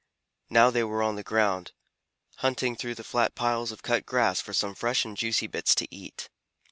Now they were on the ground, hunting through the flat piles of cut grass for some fresh and juicy bits to eat.